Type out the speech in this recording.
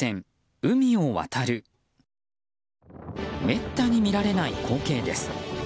めったに見られない光景です。